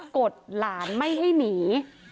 กดหลานไม่ให้หนี